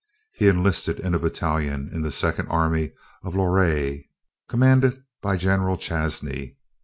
He enlisted in a battalion, in the Second Army of the Loire, commanded by General Chanzy.